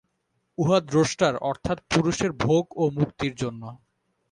উহা দ্রষ্টার অর্থাৎ পুরুষের ভোগ ও মুক্তির জন্য।